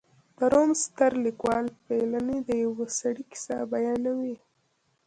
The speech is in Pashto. د روم ستر لیکوال پیلني د یوه سړي کیسه بیانوي